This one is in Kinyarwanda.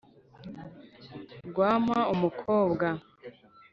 rwa mpa-umukobwa!